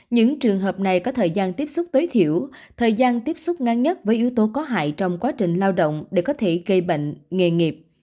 những trường hợp này có thời gian tiếp xúc tối thiểu thời gian tiếp xúc ngang nhất với yếu tố có hại trong quá trình lao động để có thể gây bệnh nghề nghiệp